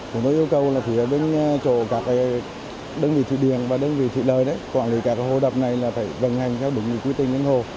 cũng có yêu cầu là phía bên chỗ các đơn vị thủy điện và đơn vị thủy lợi quản lý các hồ đập này là phải vận hành theo đúng quy tình đến hồ